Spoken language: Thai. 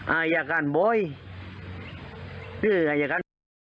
อ่าอยากการบอยคืออยากการ